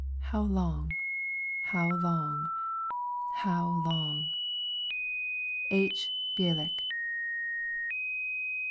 How long, how long, how long?" H. BYALIK.